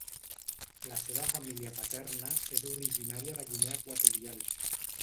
La seva família paterna és originària de Guinea Equatorial.